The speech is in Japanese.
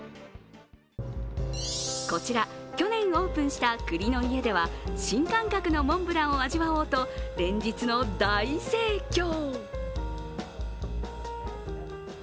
こちら、去年オープンした栗のいえでは新感覚のモンブランを味わおうと連日の大盛況。